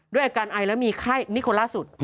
ด้วยอาการไอแล้วมีไข้นี่คนล่าสุด